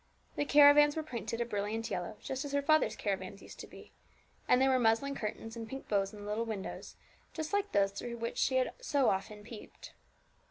The caravans were painted a brilliant yellow, just as her father's caravans used to be; and there were muslin curtains and pink bows in the little windows, just like those through which she had so often peeped.